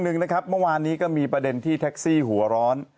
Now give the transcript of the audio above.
จริงจริงจริงจริง